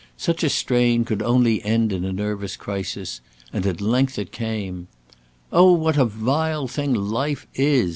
Such a strain could only end in a nervous crisis, and at length it came: "Oh, what a vile thing life is!"